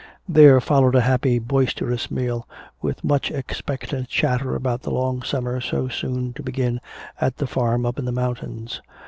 There followed a happy boisterous meal, with much expectant chatter about the long summer so soon to begin at the farm up in the mountains.